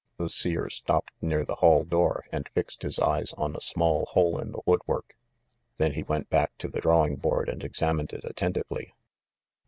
The Seer stopped near the hall door and fixed his eyes on a small hole in the woodwork. Then he went back to the drawing board and examined it attentively.